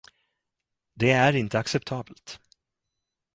Det är inte acceptabelt.